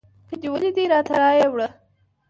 که دې ولیدی راته رایې وړه